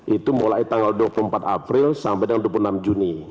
itu mulai tanggal dua puluh empat april sampai dengan dua puluh enam juni